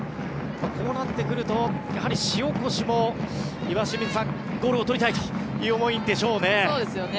こうなってくるとやはり塩越も岩清水さん、ゴールを取りたいという思いでしょうね。